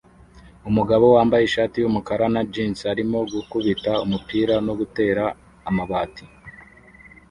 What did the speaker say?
Umugabo wambaye ishati yumukara na jans arimo gukubita umupira no gutera amabati